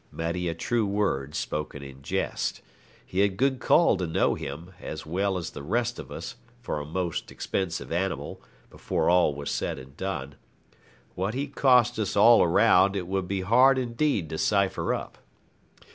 Many a true word spoken in jest. He had good call to know him, as well as the rest of us, for a most expensive animal, before all was said and done. What he cost us all round it would be hard indeed to cipher up.